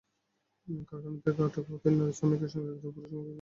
কারখানা থেকে আটক হওয়া তিন নারী শ্রমিকের সঙ্গে একজন পুরুষ শ্রমিক রয়েছেন।